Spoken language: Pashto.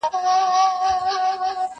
يو څو زلميو ورته هېښ کتله؛